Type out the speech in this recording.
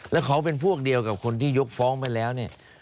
แล้วเขาเป็นพวกเดียวกับคนที่ยกฟ้องไปแล้วเนี่ย